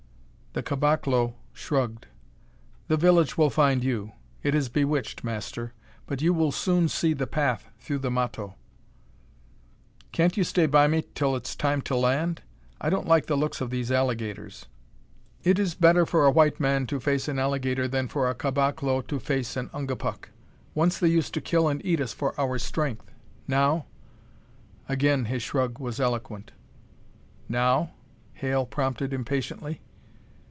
The caboclo shrugged. "The village will find you. It is bewitched, master. But you will soon see the path through the matto." "Can't you stay by me until time to land? I don't like the looks of these alligators." "It is better for a white man to face an alligator than for a caboclo to face an Ungapuk. Once they used to kill and eat us for our strength. Now " Again his shrug was eloquent. "Now?" Hale prompted impatiently.